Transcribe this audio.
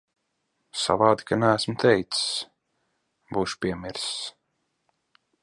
Savādi, ka neesmu teicis. Būšu piemirsis.